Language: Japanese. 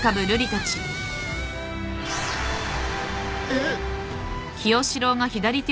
えっ？